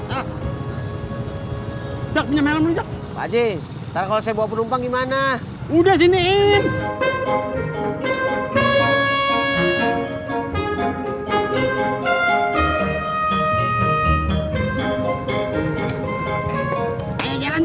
pak jeng kalau saya bawa penumpang gimana udah siniin